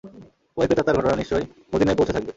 ঐ প্রেতাত্মার ঘটনা নিশ্চয় মদীনায় পৌঁছে থাকবে।